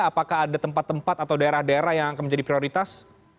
apakah ada tempat tempat atau daerah daerah yang akan menjadi prioritas